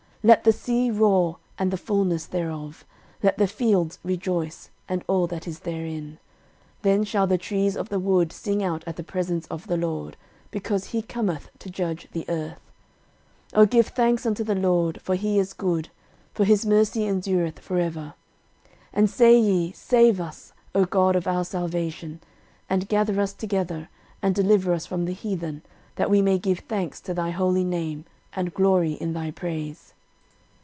13:016:032 Let the sea roar, and the fulness thereof: let the fields rejoice, and all that is therein. 13:016:033 Then shall the trees of the wood sing out at the presence of the LORD, because he cometh to judge the earth. 13:016:034 O give thanks unto the LORD; for he is good; for his mercy endureth for ever. 13:016:035 And say ye, Save us, O God of our salvation, and gather us together, and deliver us from the heathen, that we may give thanks to thy holy name, and glory in thy praise.